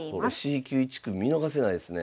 Ｃ級１組見逃せないですね。